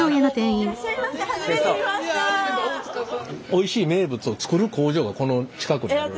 「おいしい名物」を作る工場がこの近くにある。